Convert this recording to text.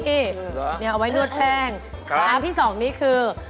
เหรอนี่เอาไว้นวดแป้งครับที่๒นี้คือ